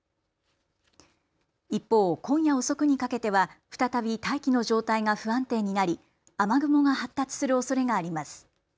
一方、今夜遅くにかけては再び大気の状態が不安定になり雨雲が発達するおそれがあります。